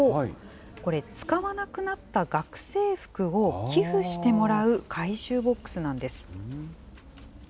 これ、使わなくなった学生服を寄付してもらう回収ボックスなんです。